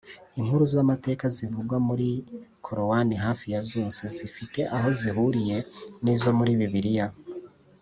inkuru z’amateka zivugwa muri korowani hafi ya zose zifite aho zihuriye n’izo muri bibiliya